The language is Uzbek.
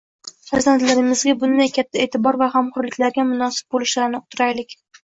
Farzandlarimizga bunday katta etibor va g‘amho‘rliklarga munosib bo‘lishlarini uqtiraylik